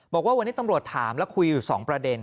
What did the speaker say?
บอกว่าวันนี้ตำรวจถามและคุยอยู่๒ประเด็น